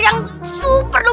yang super doang